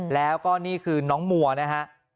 แล้วก็นี่คือน้องมัวนะฮะ